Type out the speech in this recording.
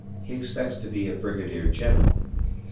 He expects to be a Brigadier General.